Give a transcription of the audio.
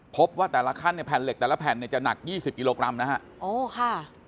พบว่าแต่ละขั้นในแผ่นเหล็กแต่ละแผ่นเนี่ยจะหนักยี่สิบกิโลกรัมนะฮะโอ้ค่ะ